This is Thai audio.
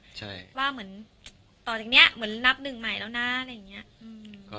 ใช่ว่าเหมือนต่อจากเนี้ยเหมือนนับหนึ่งใหม่แล้วนะอะไรอย่างเงี้ยอืม